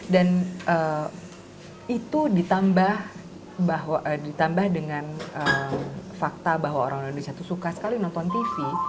dan itu ditambah dengan fakta bahwa orang indonesia suka sekali nonton tv